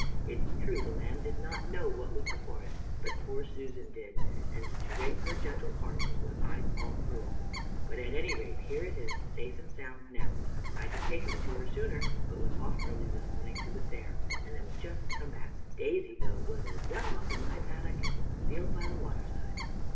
It's true the lamb did not know what was before it, but poor Susan did, and to wring her gentle heart was what I call cruel. But at any rate, here it is, safe and sound now. I'd have taken it to her sooner, but was off early this morning to the fair, and am but just come back. Daisy, though, was as well off in my paddock as in the field by the water side."